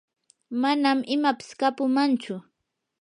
manam imapis kapumanchu.